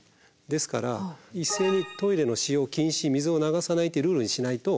ですから一斉にトイレの使用禁止水を流さないってルールにしないと。